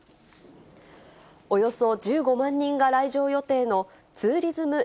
およそ１５万人が来場予定のツーリズム